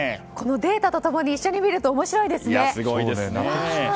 このデータと共に一緒に見ると面白いですね。